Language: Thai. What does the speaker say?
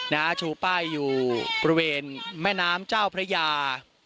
ชูป้ายอยู่บริเวณแม่น้ำเจ้าพระยา